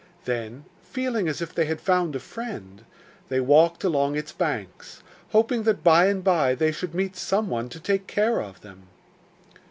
Then, feeling as if they had found a friend, they walked along its banks, hoping that by and by they should meet some one to take care of them.